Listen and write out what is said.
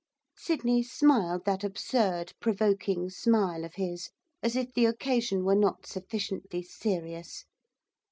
Sydney smiled that absurd, provoking smile of his, as if the occasion were not sufficiently serious.